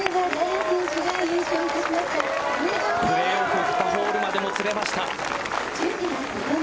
プレーオフ２ホールまで、もつれました。